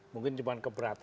mungkin cuma keberatan